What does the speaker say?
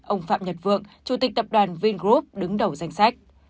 ông phạm nhật vượng chủ tịch tập đoàn vingroup đứng đầu danh sách